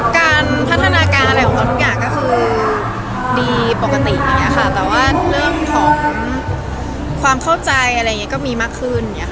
การพัฒนาการของทุกอย่างก็คือดีปกติแต่ว่าเรื่องของความเข้าใจก็มีมากขึ้น